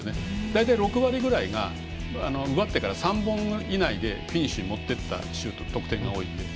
大体６割くらいが奪ってから３本以内でフィニッシュに持っていった得点が多いので。